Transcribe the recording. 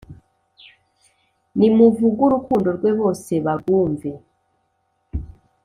Nimuvug' urukundo rwe, bose barwumve,